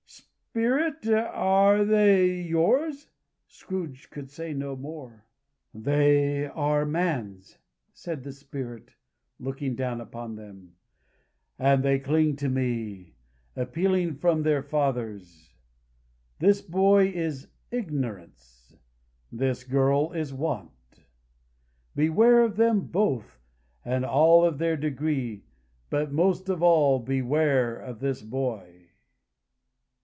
"Spirit, are they yours?" Scrooge could say no more. "They are Man's," said the Spirit, looking down upon them. "And they cling to me, appealing from their fathers. This boy is Ignorance. This girl is Want. Beware of them both, and all of their degree, but most of all beware of this boy."